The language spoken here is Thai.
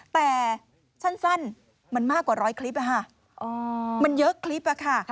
แต่สั้นมันมากกว่าร้อยคลิปมันเยอะคลิปอะค่ะ